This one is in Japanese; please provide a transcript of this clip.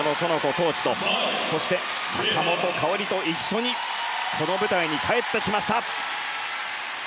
コーチとそして、坂本花織と一緒にこの舞台に帰ってきました。